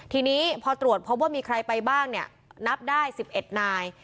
ทีนี้พอตรวจพบว่ามีใครไปบ้างเนี่ยนับได้๑๑นาย